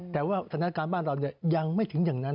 แต่ว่าสถานการณ์บ้านเรายังไม่ถึงอย่างนั้น